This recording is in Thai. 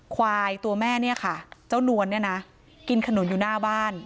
ควายตัวแม่เนี่ยค่ะเจ้านวลเนี่ยนะกินขนุนอยู่หน้าบ้าน